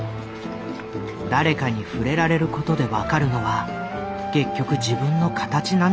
誰かに触れられることで分かるのは結局自分の形なのだと思います。